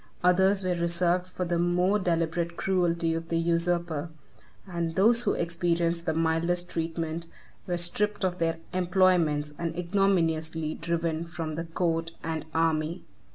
Others were reserved for the more deliberate cruelty of the usurper; and those who experienced the mildest treatment, were stripped of their employments, and ignominiously driven from the court and army.